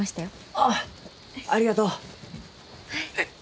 ああありがとう！